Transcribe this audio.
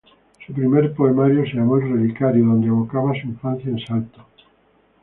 Su primer poemario se llamó "El Relicario" donde evocaba su infancia en Salto.